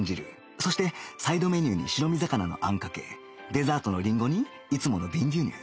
そしてサイドメニューに白身魚のあんかけデザートのリンゴにいつもの瓶牛乳